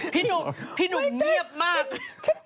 พี่หนุ่มเงียบมาก